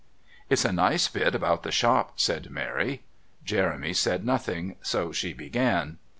"It's a nice bit about the shop," said Mary. Jeremy said nothing, so she began.